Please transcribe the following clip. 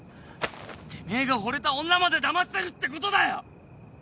てめえがほれた女までだましてるってことだよ！